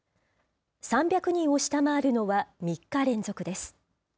３００人を下回るのは３日連続です。